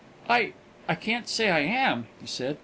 "I I can't say I am," he said.